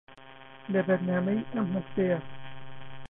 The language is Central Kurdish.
لە بەرنامەی ئەم هەفتەیە